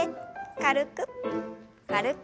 軽く軽く。